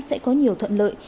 sẽ có nhiều thuận lợi